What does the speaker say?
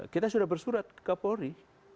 kita sudah bersurat ke kapolri